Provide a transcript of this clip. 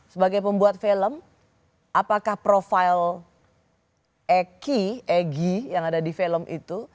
sebagai pembuat film apakah profil eki egy yang ada di film itu